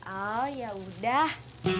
oh ya udah